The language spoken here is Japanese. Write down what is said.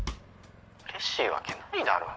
うれしいわけないだろ。